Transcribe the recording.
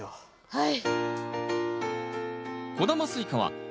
はい。